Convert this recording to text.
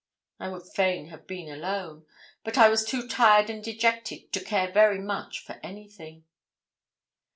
I would fain have been alone, but I was too tired and dejected to care very much for anything.